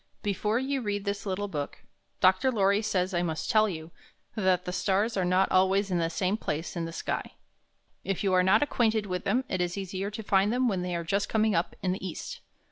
Before you read this little book, Dr. Lorry says I must tell you that the stars are not alwaj^s in the same place in the sky. If you are not acquainted with them, it is easier to find them when they are just coming up in the east.